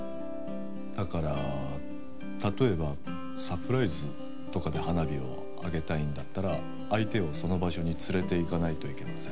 だから例えばサプライズとかで花火を上げたいんだったら相手をその場所に連れていかないといけません。